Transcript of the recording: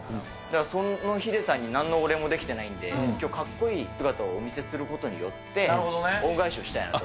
そのヒデさんになんのお礼もできてないんで、きょう、かっこいい姿をお見せすることによって、恩返しをしたいなと。